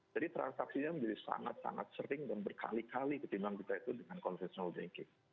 transaksinya menjadi sangat sangat sering dan berkali kali ketimbang kita itu dengan konvensional banking